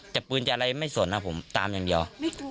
แต่ปืนจะอะไรไม่สนนะผมตามอย่างเดียว